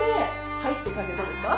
はいって感じでどうですか？